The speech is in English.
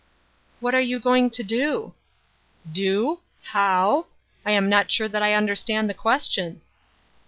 ''" What are you going to do ?"" Do ? How ? I am not sure that I understand the question."